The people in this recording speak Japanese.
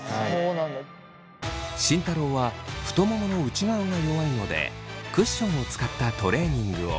慎太郎は太ももの内側が弱いのでクッションを使ったトレーニングを。